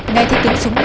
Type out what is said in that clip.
ngay theo tiếng súng